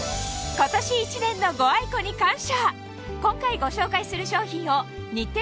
今年一年のご愛顧に感謝